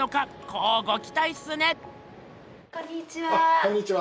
こんにちは。